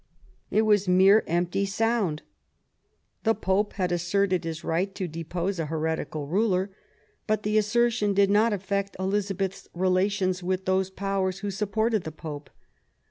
It was mere empty sound. The Pope had asserted his right to depose a heretical ruler; but the assertion did not affect Elizabeth's relations with those Powers who supported the Pope.